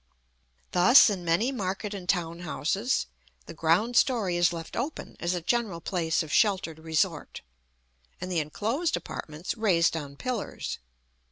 Thus, in many market and town houses, the ground story is left open as a general place of sheltered resort, and the enclosed apartments raised on pillars.